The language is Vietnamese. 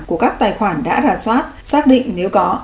của các tài khoản đã rà soát xác định nếu có